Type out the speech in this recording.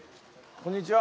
こんにちは。